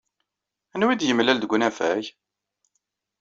Anwa ay d-yemlal deg unafag?